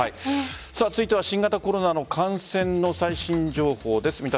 続いては新型コロナの感染の最新情報です。